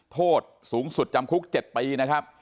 โทษสูงสุดจำคลุก๗ปี